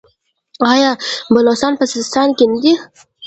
آیا بلوڅان په سیستان کې نه دي؟